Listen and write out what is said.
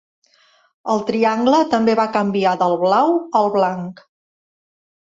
El triangle també va canviar del blau al blanc.